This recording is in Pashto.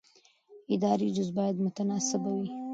اداري جزا باید متناسبه وي.